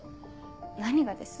何がです？